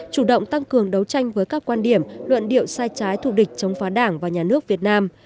chủ động tăng cường đấu tranh với các quan điểm luận điệu sai trái thù địch chống phá đảng và nhà nước việt nam